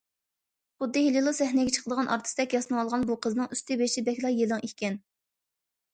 خۇددى ھېلىلا سەھنىگە چىقىدىغان ئارتىستەك ياسىنىۋالغان بۇ قىزنىڭ ئۈستى- بېشى بەكلا يېلىڭ ئىكەن.